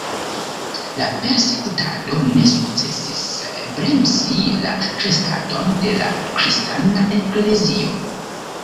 La persekutado ne sukcesis bremsi la kreskadon de la kristana eklezio.